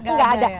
enggak ada ya